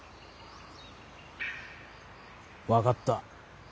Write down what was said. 分かった。